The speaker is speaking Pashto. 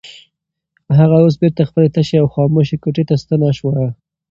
هغه اوس بېرته خپلې تشې او خاموشې کوټې ته ستنه شوه.